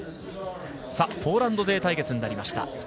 ポーランド勢対決になりました。